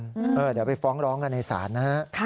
เดี๋ยวไปฟ้องร้องกันในศาลนะฮะ